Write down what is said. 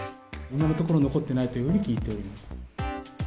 今のところ残っていないというふうに聞いております。